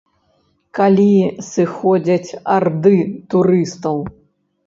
Калі сыходзяць арды турыстаў.